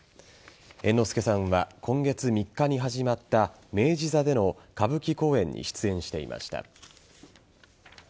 猿之助さんは今月３日に始まった明治座での歌舞伎公演に出演していました。